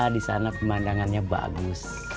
disana pemandangannya bagus